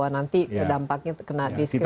nanti dampaknya kena diskriminasi